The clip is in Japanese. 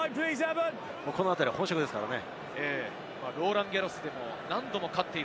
このあたり本職ですからね。